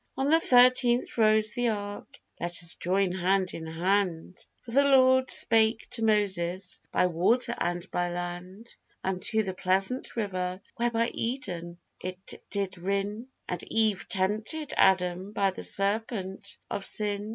On the 13th rose the ark, let us join hand in hand, For the Lord spake to Moses by water and by land, Unto the pleasant river where by Eden it did rin, And Eve tempted Adam by the serpent of sin.